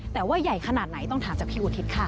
แต่ว่าใหญ่ขนาดไหนต้องถามจากพี่อุทิศค่ะ